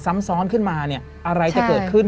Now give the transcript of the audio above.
ซ้ำซ้อนขึ้นมาเนี่ยอะไรจะเกิดขึ้น